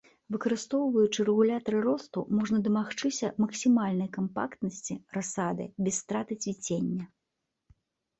Выкарыстоўваючы рэгулятары росту можна дамагчыся максімальнай кампактнасці расады без страты цвіцення.